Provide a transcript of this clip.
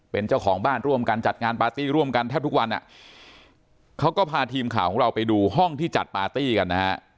เป็นเจ้าของบ้านร่วมกันจัดงานปาร์ตี้ร่วมกันแทบทุกวันอ่ะเขาก็พาทีมข่าวของเราไปดูห้องที่จัดปาร์ตี้กันนะฮะ